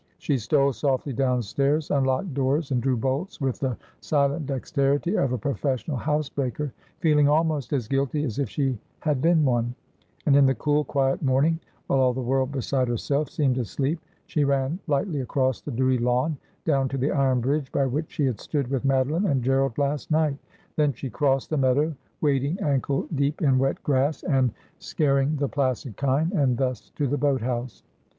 She stole softly downstairs, unlocked doors and drew bolts with the silent dexterity of a professional housebreaker, feeling almost as guilty as if she had been one ; and in the cool quiet morning, while all the world beside herself seemed asleep, she ran lightly across the dewy lawn, down to the iron bridge by which she had stood with Madoline and Gerald last night. Then she crossed the meadow, wading ankle deep in wet grass, and scar ing the placid kine, and thus to the boat house.